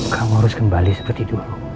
kamu harus kembali seperti dulu